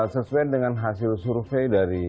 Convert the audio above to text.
sesuai dengan hasil survei dari